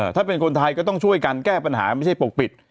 ถ้าเป็นคนไทยก็ต้องช่วยกันแก้ปัญหาไม่ใช่ปกปิด